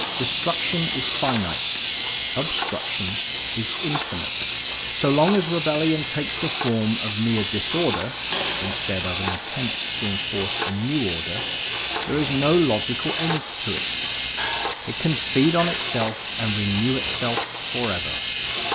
Destruction is finite, obstruction is infinite: so long as rebellion takes the form of mere disorder (instead of an attempt to enforce a new order) there is no logical end to it; it can feed on itself and renew itself forever.